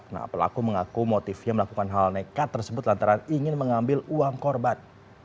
nah pelaku mengaku motifnya melakukan hal nekat tersebut lantaran ingin mengambil uang korban